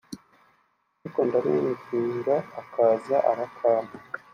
ariko ndamwinginga akazi arakampa